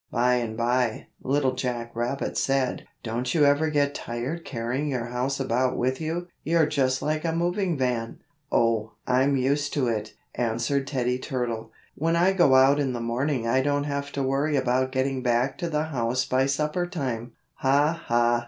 By and by, Little Jack Rabbit said: "Don't you ever get tired carrying your house about with you? You're just like a moving van." "Oh, I'm used to it," answered Teddy Turtle. "When I go out in the morning I don't have to worry about getting back to the house by supper time." "Ha, ha!"